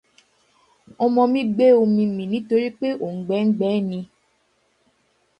Ọmọ mi gbé omi mì nítórípé òùngbẹ ń gbẹẹ́ ni